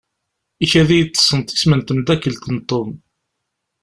Ikad-iyi-d tessneḍ isem n temdakelt n Tom.